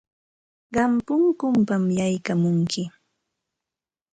Qam punkunpam yaykamunki.